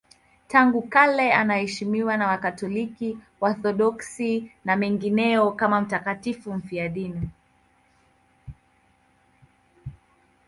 Tangu kale anaheshimiwa na Wakatoliki, Waorthodoksi na wengineo kama mtakatifu mfiadini.